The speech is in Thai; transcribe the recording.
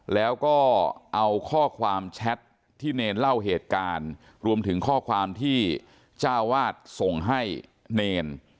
แล้วก็เอาข้อความแชทที่เนรเล่าเหตุการณ์รวมถึงข้อความที่เจ้าวาดส่งให้เนร